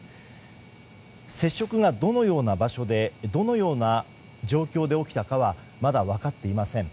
接触が、どのような場所でどのような状況で起きたかはまだ分かっていません。